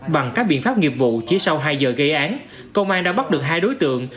bằng các biện pháp nghiệp vụ chỉ sau hai giờ gây án công an đã bắt được hai đối tượng